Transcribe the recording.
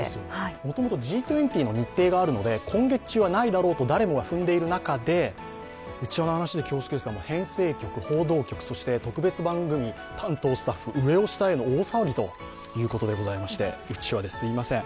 もともとＧ２０の日程があるので、今月中はないだろうと誰もが踏んでいる中で、内輪の話で恐縮ですが、編成局、報道局、そして特別番組担当スタッフ、大騒ぎということで内輪ですみません。